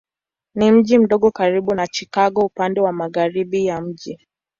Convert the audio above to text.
Ni mji mdogo karibu na Chicago upande wa magharibi ya mji.